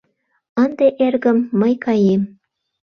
Ынде, эргым, мый каем.